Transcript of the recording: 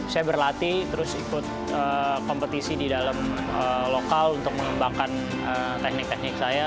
saya berlatih terus ikut kompetisi di dalam lokal untuk mengembangkan teknik teknik saya